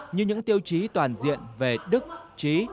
như những tiêu chí toàn diện về đức trí